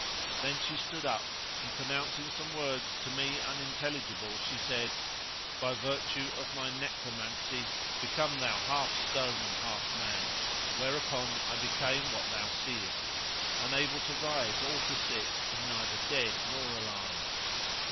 Then she stood up; and, pronouncing some words to me unintelligible, she said:— By virtue of my egromancy become thou half stone and half man; whereupon I became what thou seest, unable to rise or to sit, and neither dead nor alive.